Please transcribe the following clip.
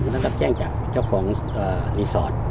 ได้รับแจ้งจากเจ้าของรีสอร์ท